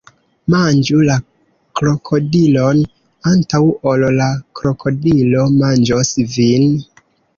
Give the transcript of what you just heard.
Manĝu la krokodilon, antaŭ ol la krokodilo manĝos vin!